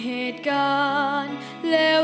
เพราะตัวฉันเพียงไม่อาทัม